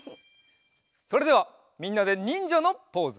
それではみんなでにんじゃのポーズ。